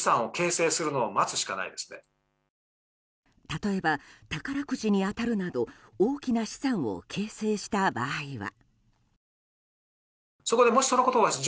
例えば宝くじに当たるなど大きな資産を形成した場合は。